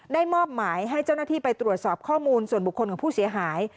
มอบหมายให้เจ้าหน้าที่ไปตรวจสอบข้อมูลส่วนบุคคลของผู้เสียหาย